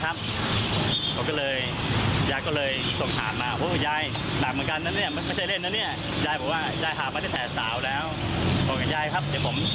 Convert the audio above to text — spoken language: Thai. บอกกับยายครับเดี๋ยวผมพาข้าม